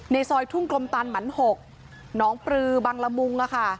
ในซอยทุ่งกลมตานหมันหกน้องปลือบางละมุงล่ะค่ะ